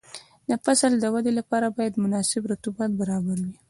د فصل د ودې لپاره باید مناسب رطوبت برابر وي.